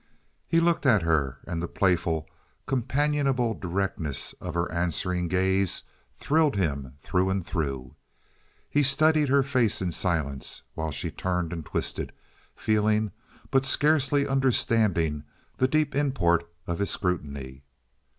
He looked at her, and the playful, companionable directness of her answering gaze thrilled him through and through. He studied her face in silence while she turned and twisted, feeling, but scarcely understanding, the deep import of his scrutiny.